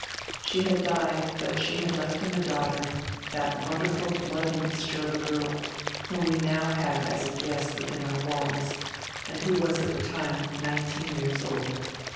She had died, but she had left him a daughter, that wonderful blood mixture of a girl, whom we now had as guest within our walls and who was at the time nineteen years old.